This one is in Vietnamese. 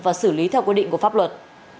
và xử lý theo quy định của pháp luật